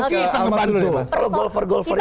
kita ngebantu kalau golfer golfer itu